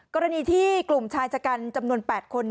กรณีที่กลุ่มชายชะกันจำนวน๘คน